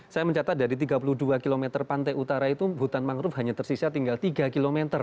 saya mencatat dari tiga puluh dua km pantai utara itu hutan mangrove hanya tersisa tinggal tiga km